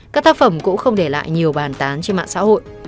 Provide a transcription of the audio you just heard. các tác phẩm cũng không để lại nhiều bàn tán trên mạng xã hội